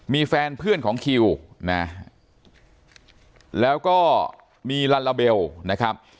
มีแฟนเพื่อนของคิวนะแล้วก็มีลัลลาเบลนะครับ